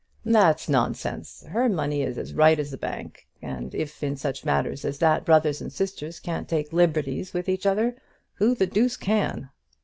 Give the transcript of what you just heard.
"That's nonsense. Her money is as right as the bank; and if in such matters as that brothers and sisters can't take liberties with each other, who the deuce can?"